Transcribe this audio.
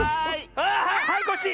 ああっはいはいコッシー！